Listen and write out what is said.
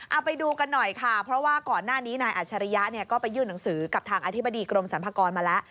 เอาไปดูกันหน่อยค่ะเพราะว่าก่อนหน้านี้นายอัชริยะเนี่ยก็ไปยื่นหนังสือกับทางอธิบดีกรมสรรพากรมาแล้ว